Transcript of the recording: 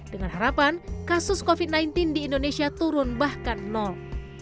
dengan harapan kasus covid sembilan belas di indonesia turun bahkan nol